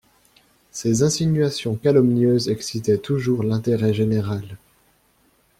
Ces insinuations calomnieuses excitaient toujours l'intérêt général.